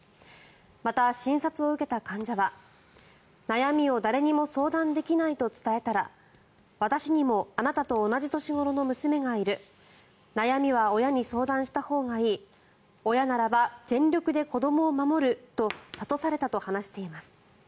また、診察を受けた患者は悩みを誰にも相談できないと伝えたら私にもあなたと同じ年頃の娘がいる悩みは親に相談したほうがいい親ならば全力で子どもを守ると諭されたと話しています。